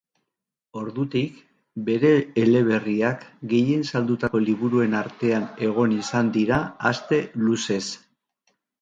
Ordutik, bere eleberriak gehien saldutako liburuen artean egon izan dira aste luzez.